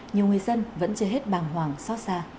nhiều người dân vẫn chưa hết bàng hoàng xót xa